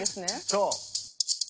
そう。